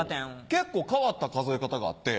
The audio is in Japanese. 結構変わった数え方があって。